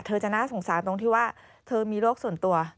จะน่าสงสารตรงที่ว่าเธอมีโรคส่วนตัว